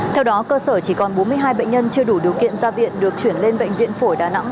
theo đó cơ sở chỉ còn bốn mươi hai bệnh nhân chưa đủ điều kiện ra viện được chuyển lên bệnh viện phổi đà nẵng